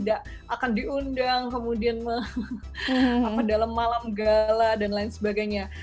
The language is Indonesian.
tidak akan diundang kemudian dalam malam gala dan lain sebagainya